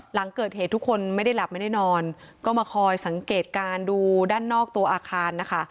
หลังเกิดเหตุทุกคนไม่ได้หลับไม่ได้นอนก็มาคอยสังเกตการณ์ดูด้านนอกตัวอาคารนะคะ